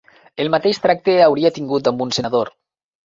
El mateix tracte hauria tingut amb un senador